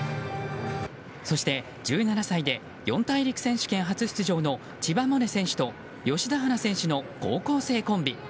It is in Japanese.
そして１７歳で四大陸選手権初出場の千葉百音選手と吉田陽菜選手の高校生コンビ。